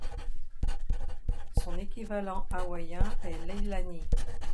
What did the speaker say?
Son équivalent hawaïen est Leilani.